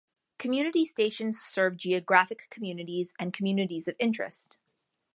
Community stations serve geographic communities and communities of interest.